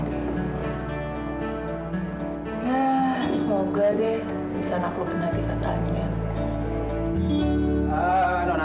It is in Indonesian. ya semoga deh bisa anak lu kenhati kataannya